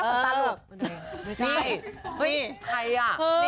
เฮ้ยใครอ่ะ